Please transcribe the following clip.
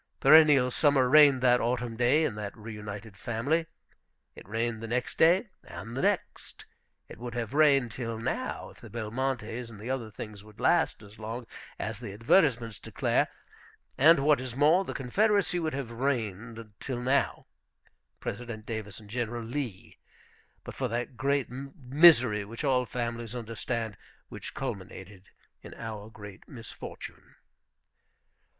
Perennial summer reigned that autumn day in that reunited family. It reigned the next day, and the next. It would have reigned till now if the Belmontes and the other things would last as long as the advertisements declare; and, what is more, the Confederacy would have reigned till now, President Davis and General Lee! but for that great misery, which all families understand, which culminated in our great misfortune.